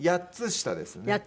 ８つ下ですね。